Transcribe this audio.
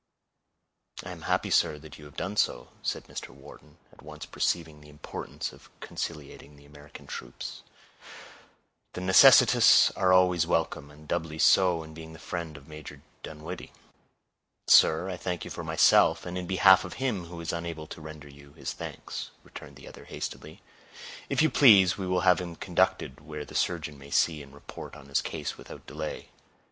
"I am happy, sir, that you have done so," said Mr. Wharton, at once perceiving the importance of conciliating the American troops. "The necessitous are always welcome, and doubly so, in being the friend of Major Dunwoodie." "Sir, I thank you for myself, and in behalf of him who is unable to render you his thanks," returned the other, hastily. "If you please, we will have him conducted where the surgeon may see and report upon his case without delay."